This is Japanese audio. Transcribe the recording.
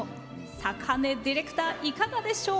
坂根ディレクターいかがでしょう？